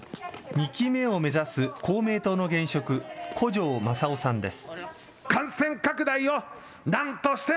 ２期目を目指す公明党の現職、古城将夫さんです。